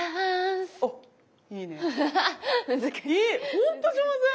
ほんと上手！